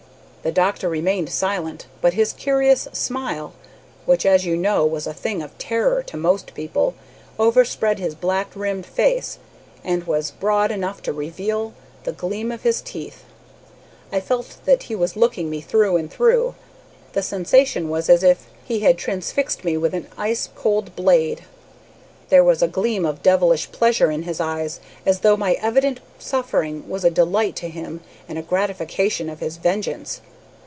"The doctor remained silent, but his curious smile, which, as you know, was a thing of terror to most people, overspread his black rimmed face and was broad enough to reveal the gleam of his teeth. I felt that he was looking me through and through. The sensation was as if he had transfixed me with an ice cold blade. There was a gleam of devilish pleasure in his eyes, as though my evident suffering was a delight to him and a gratification of his vengeance.